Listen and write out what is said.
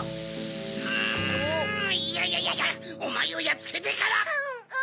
うぅんいやいやおまえをやっつけてから！